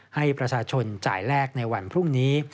ให้ประชาชนจ่ายแลกในวันพรุ่งนี้